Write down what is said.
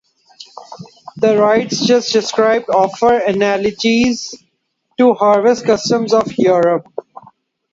The rites just described offer analogies to the harvest customs of Europe.